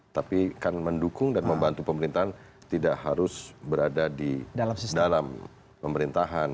tapi kan mendukung dan membantu pemerintahan tidak harus berada di dalam pemerintahan